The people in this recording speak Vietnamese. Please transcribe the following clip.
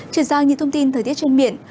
chuyển sang những thông tin thời tiết trên miệng